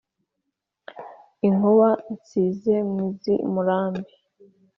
inkuba nsize mu z’ i murambi